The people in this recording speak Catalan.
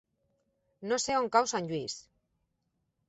No sé on cau Sant Lluís.